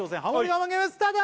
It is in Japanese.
我慢ゲームスタート！